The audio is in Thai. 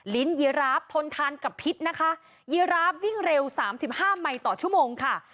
ลิ้นยีราฟทนทานกับพิษนะคะยีราฟวิ่งเร็ว๓๕ไมต่อชั่วโมงค่ะ